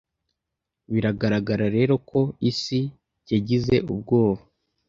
biragaragara rero ko isi yagize ubwoba